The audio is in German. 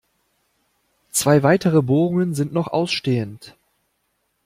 Zwei weitere Bohrungen sind noch ausstehend.